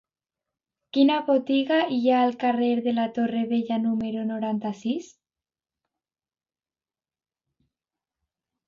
Quina botiga hi ha al carrer de la Torre Vella número noranta-sis?